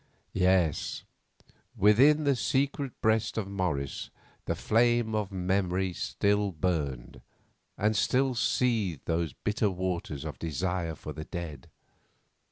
Yes, within the secret breast of Morris the flame of memory still burned, and still seethed those bitter waters of desire for the dead.